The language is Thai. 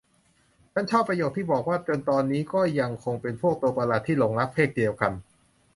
ฉันชอบประโยคที่บอกว่า จนตอนนี้ก็ยังคงเป็นพวกตัวประหลาดที่หลงรักเพศเดียวกัน